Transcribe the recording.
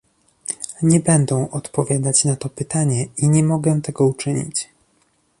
Nie będą odpowiadać na to pytanie i nie mogę tego uczynić